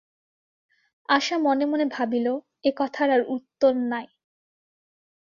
আশা মনে মনে ভাবিল, এ কথার আর উত্তর নাই।